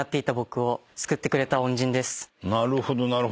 なるほどなるほど。